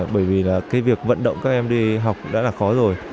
bởi vì là cái việc vận động các em đi học đã là khó rồi